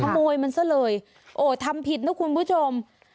ขโมยมันซะเลยโอ้ทำผิดนะคุณผู้ชม